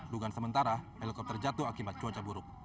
dugaan sementara helikopter jatuh akibat cuaca buruk